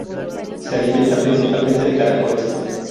Se alimenta principalmente de caracoles.